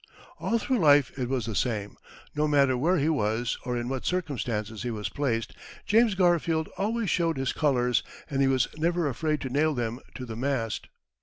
All through life it was the same. No matter where he was, or in what circumstances he was placed, James Garfield always showed his colours, and he was never afraid to nail them to the mast.